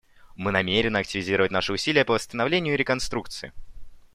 Мы намерены активизировать наши усилия по восстановлению и реконструкции.